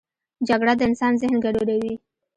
جګړه د انسان ذهن ګډوډوي